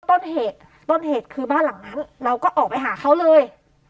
ต้นเหตุต้นเหตุคือบ้านหลังนั้นเราก็ออกไปหาเขาเลย